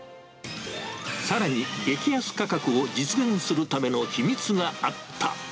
さらに、激安価格を実現するための秘密があった。